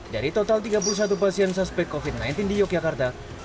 dari total tiga puluh satu pasien suspek covid sembilan belas di yogyakarta